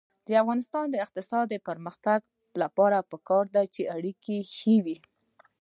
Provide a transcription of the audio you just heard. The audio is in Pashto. د افغانستان د اقتصادي پرمختګ لپاره پکار ده چې اړیکې ښې وي.